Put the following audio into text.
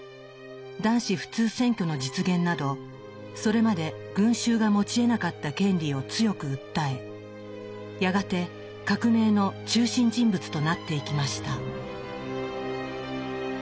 男子普通選挙の実現などそれまで群衆が持ちえなかった権利を強く訴えやがて革命の中心人物となっていきました。